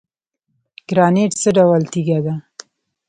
ګرانیټ څه ډول تیږه ده؟